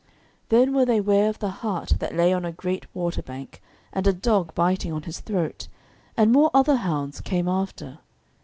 Then were they ware of the hart that lay on a great water bank, and a dog biting on his throat, and more other hounds came after.